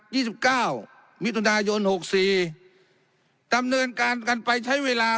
สิบเก้ามิถุนายนหกสี่ดำเนินการกันไปใช้เวลา